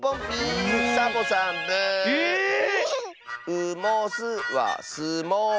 「う・も・す」は「す・も・う」。